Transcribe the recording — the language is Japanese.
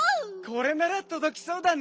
これならとどきそうだね。